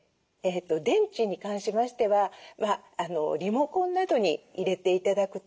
電池に関しましてはリモコンなどに入れて頂くとですね